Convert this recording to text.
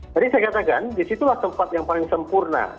jadi saya katakan disitulah tempat yang paling sempurna